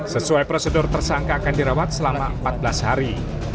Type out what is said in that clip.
sesuai prosedur tersangka akan dirawat selama empat belas hari